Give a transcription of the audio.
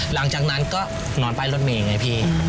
หลังจากนั้นก็นอนป้ายรถเมย์ไงพี่